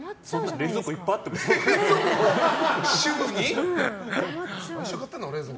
冷蔵庫いっぱいあるの？